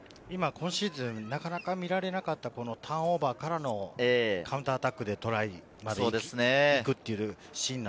今シーズン、なかなかみられなかったターンオーバーからのカウンターアタックでトライまで行きました。